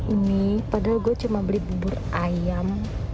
ini padahal gue cuma beli bubur ayam